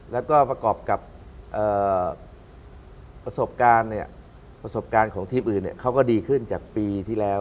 แล้วก็ประกอบกับประสบการณ์เนี่ยประสบการณ์ประสบการณ์ของทีมอื่นเขาก็ดีขึ้นจากปีที่แล้ว